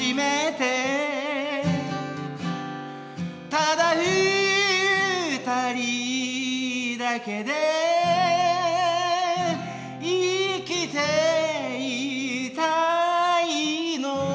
「ただ二人だけで生きていたいの」